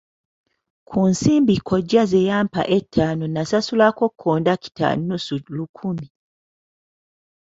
Ku nsimbi kkojja ze yampa ettaano nasasulako kondakita nnusu lukumi.